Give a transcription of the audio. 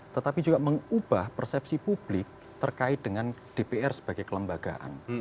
tetapi juga mengubah persepsi publik terkait dengan dpr sebagai kelembagaan